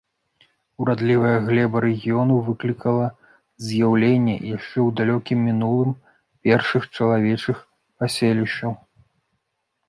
Урадлівая глеба рэгіёну выклікала з'яўленне, яшчэ ў далёкім мінулым, першых чалавечых паселішчаў.